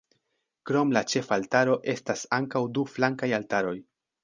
Krom la ĉefaltaro estas ankaŭ du flankaj altaroj.